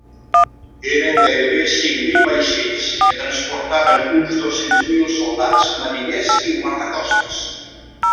Eren gairebé cinc mil vaixells que transportaven uns dos-cents mil soldats, mariners i guardacostes.